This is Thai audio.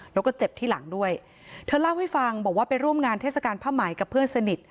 แล้วก็เจ็บที่หลังด้วยเธอเล่าให้ฟังบอกว่าไปร่วมงานเทศกาลผ้าไหมกับเพื่อนสนิท